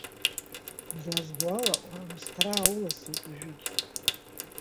Излазбо ала, уаамысҭара аауласуеит уажәыгьы.